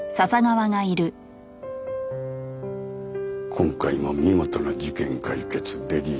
今回も見事な事件解決ベリーグッドです